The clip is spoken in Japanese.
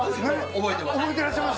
覚えてます。